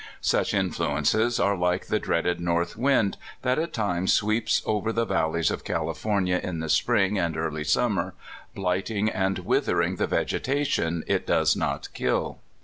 Such influences are like the dreaded north wind that at times sweeps over the valleys of California in the spring and early summer, blighting and withering the vegeta tion it does not kill.